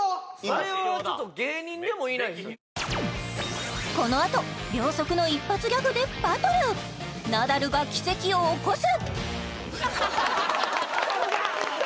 それはちょっとこのあと秒速の一発ギャグでバトルナダルが奇跡を起こす！